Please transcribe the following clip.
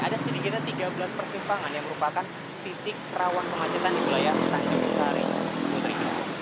ada sedikitnya tiga belas persimpangan yang merupakan titik rawan pengacetan di wilayah tanjung besari